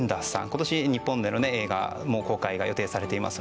今年日本での映画も公開が予定されています。